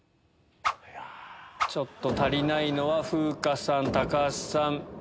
ちょっと足りないのは風花さん橋さんまっすー。